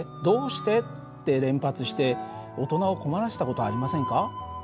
「どうして？」って連発して大人を困らせた事ありませんか？